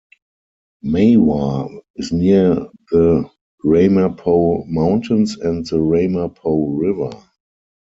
Mahwah is near the Ramapo Mountains and the Ramapo River.